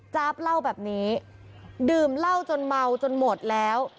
จ๊าบเล่าแบบนี้ดื่มเหล้าจนเมาจนหมดแล้ว